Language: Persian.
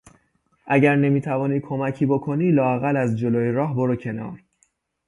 اگر نمیتوانی کمکی بکنی لااقل از جلوی راه برو کنار!